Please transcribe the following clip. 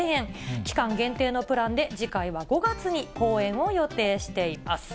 期間限定のプランで、次回は５月に公演を予定しています。